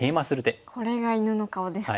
これが犬の顔ですか。